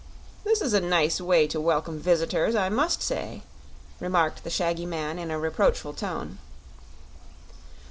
"This is a nice way to welcome visitors, I must say!" remarked the shaggy man, in a reproachful tone.